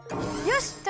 よし！